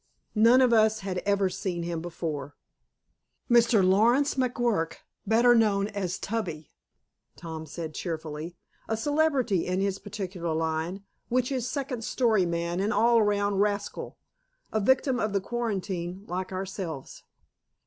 None of us had ever seen him before. "Mr. Lawrence McGuirk, better known as Tubby,'" Tom said cheerfully. "A celebrity in his particular line, which is second story man and all round rascal. A victim of the quarantine, like ourselves."